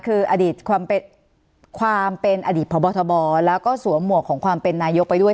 คืออดีตความเป็นอดีตพบทบแล้วก็สวมหมวกของความเป็นนายกไปด้วย